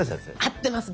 合ってます！